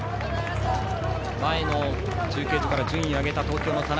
前の中継所から順位を上げた東京の田中。